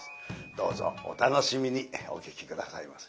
どうぞお楽しみにお聴き下さいませ。